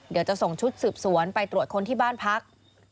เดี๋ยวจะส่งชุดสืบสวนไปตรวจคนที่บ้านพัก